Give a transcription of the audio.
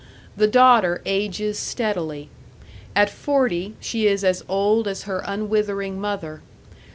The daughter ages steadily. At forty she is as old as her unwithering mother.